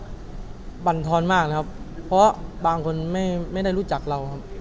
มันบรรทอนมากนะครับเพราะบางคนไม่ได้รู้จักเราครับ